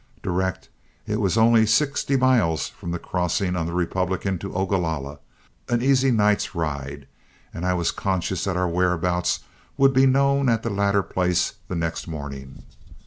Direct, it was only sixty miles from the crossing on the Republican to Ogalalla, an easy night's ride, and I was conscious that our whereabouts would be known at the latter place the next morning.